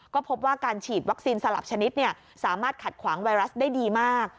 ก็พบว่าการฉีดวัคซีนสลับชนิดสามารถขัดขวางไวรัสได้ดีมาก